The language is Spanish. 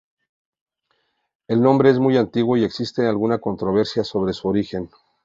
El nombre es muy antiguo y existen alguna controversia sobre su origen.